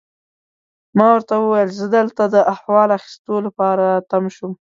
ما ورته وویل: زه دلته ستا د احوال اخیستو لپاره تم شوم.